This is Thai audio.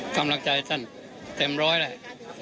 กำลังใจท่านเต็มร้อยแล้ว